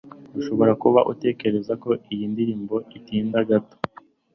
Ushobora kuba utekereza ko iyi ndirimbo itinda gato.